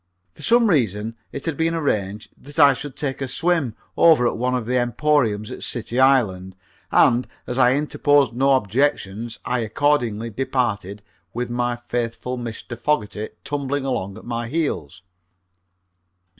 For some reason it had been arranged that I should take a swim over at one of the emporiums at City Island, and, as I interposed no objections, I accordingly departed with my faithful Mr. Fogerty tumbling along at my heels.